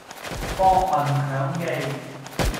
博聞強記